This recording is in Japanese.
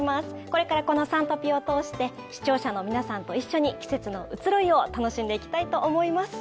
これからこの「Ｓｕｎトピ」を通して、視聴者の皆さんと一緒に季節の移ろいを楽しんでいきたいと思います。